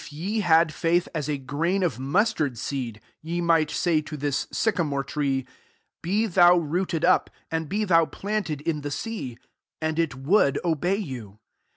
141 bad iuth as a grain of mustat^ fM^ ye might say to this sy Otoore tree, « Be thou rooted 1^ and be thou planted in the ^;" and it wotUd 6bey you.